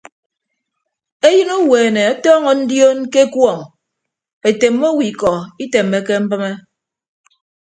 Eyịn uweene ọtọọñọ ndioon ke ekuọñ etemme owo ikọ itemmeke mbịme.